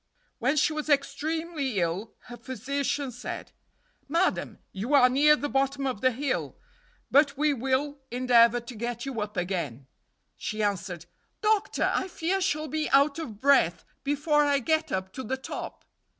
When she was extremely ill her physician said, "Madam, you are near the bottom of the hill, but we will endeavor to get you up again;" she answered: "Doctor, I fear I shall be out of breath before I get up to the top."